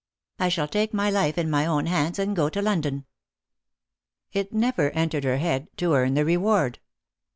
I shall take my life in my own hands, and go to London." It never entered her head to earn the reward.